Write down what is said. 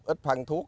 ít phân thuốc